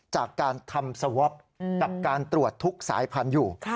จากการทำสวอปกับการตรวจทุกสายพันธุ์อยู่